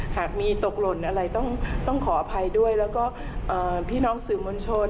หากมีตกหล่นอะไรต้องขออภัยด้วยแล้วก็พี่น้องสื่อมวลชน